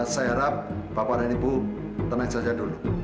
saya harap bapak dan ibu tenang saja dulu